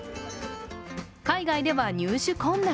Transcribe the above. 海外では入手困難。